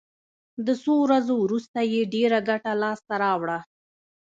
د څو ورځو وروسته یې ډېره ګټه لاس ته راوړه.